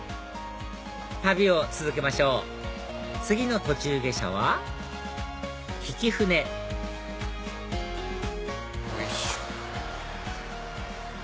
旅を続けましょう次の途中下車は曳舟よいしょ。